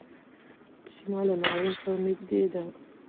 سیمه له ناورین سره نږدې ده.